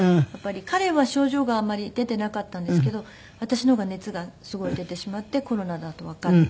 彼は症状があまり出ていなかったんですけど私の方が熱がすごい出てしまってコロナだとわかって。